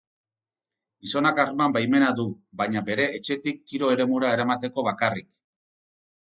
Gizonak arma-baimena du, baina bere etxetik tiro-eremura eramateko bakarrik.